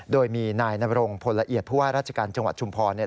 โดยมีนายนบรงพลละเอียดผู้ว่าราชการจังหวัดชุมพรเนี่ย